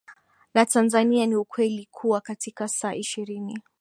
na Tanzania ni ukweli kuwa katika saa ishirini